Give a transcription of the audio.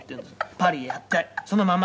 「パリへ行ってそのまま。